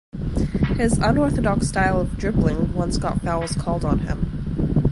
His unorthodox style of dribbling once got fouls called on him.